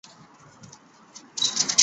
宿雾市是菲律宾重要的文化中心。